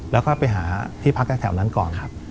แล้วก็ไปหาที่พักแค่แถวนั้นก่อน